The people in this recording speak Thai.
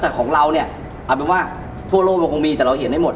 แต่ของเราเนี่ยเอาเป็นว่าทั่วโลกเราคงมีแต่เราเห็นได้หมด